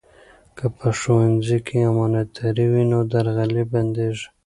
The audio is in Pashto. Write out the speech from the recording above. که په ښوونځي کې امانتداري وي، نو درغلي بندېږي.